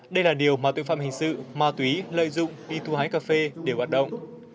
đây là điều mà tội phạm hình sự mà tùy lợi dụng đi thu hái cà phê đều hoạt động